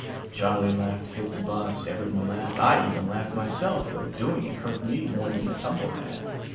Charley laughed fit to bust, everyone laughed, I even laughed myself though doing it hurt me more than the tumble had.